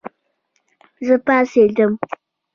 زه پاڅېدم